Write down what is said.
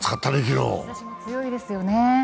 日ざしも強いですよね。